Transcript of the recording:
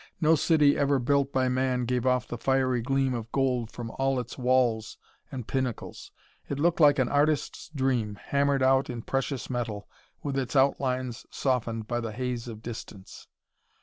No city ever built by man gave off the fiery gleam of gold from all its walls and pinnacles. It looked like an artist's dream, hammered out in precious metal, with its outlines softened by the haze of distance.